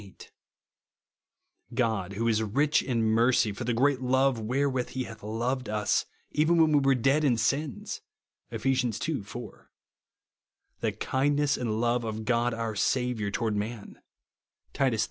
8) ;" God, who is rich in onercy, for the great love wherewith he hath loved its, even when we were dead in sins," (Ej^^^ ii 4) ;" the kindness and love of God our Saviour to^^ard man," (Titus iii.